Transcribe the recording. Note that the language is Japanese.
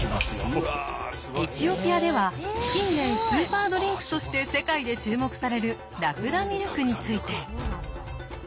エチオピアでは近年スーパードリンクとして世界で注目されるラクダミルクについて。